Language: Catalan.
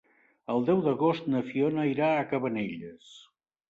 El deu d'agost na Fiona irà a Cabanelles.